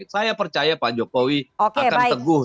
saya percaya pak jokowi akan teguh